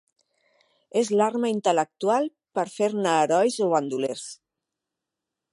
Es l'arma intel·lectual per fer-ne herois o bandolers